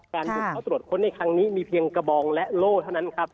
บุกเข้าตรวจค้นในครั้งนี้มีเพียงกระบองและโล่เท่านั้นครับ